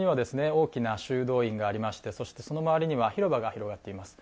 大きな修道院がありましてそしてその周りには広場が広がっています